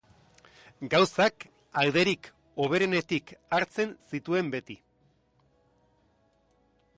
Gauzak alderik hoberenetik hartzen zituen beti.